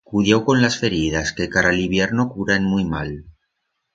Cudiau con las feridas, que cara l'hibierno curan muit mal.